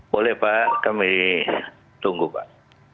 boleh pak kami tunggu pak